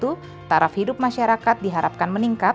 yang bagus adalah mendapatkan sokongan pemerintah yang kuat